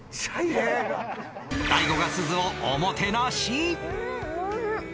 大悟がすずをおもてなし